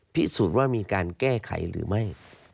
พิสูจน์ว่ามีการแก้ไขหรือไม่